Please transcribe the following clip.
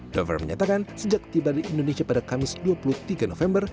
dover menyatakan sejak tiba di indonesia pada kamis dua puluh tiga november